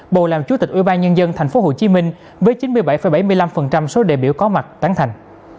bầu làm chủ tịch ubnd tp hcm với chín mươi bảy bảy mươi năm số đại biểu có mặt tán thành